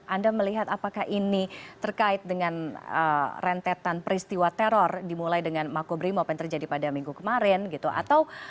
anda melihat apakah ini terkait dengan rentetan peristiwa teror dimulai dengan makobrimob yang terjadi pada minggu kemarin gitu